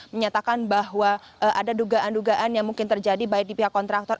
menyatakan bahwa ada dugaan dugaan yang mungkin terjadi baik di pihak kontraktor